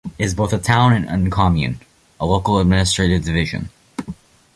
It is both a town and Commune: a local administrative division.